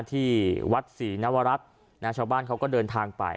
ที่วัดศรีนวรัฐชาวบ้านเขาก็เดินทางไป